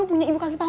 ibu yang ambil